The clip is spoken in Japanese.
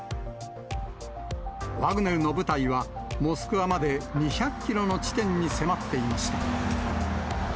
ワグネルの部隊は、モスクワまで２００キロの地点に迫っていました。